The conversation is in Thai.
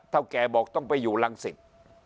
เท่าแกบอกต้องไปอยู่ลังศิษย์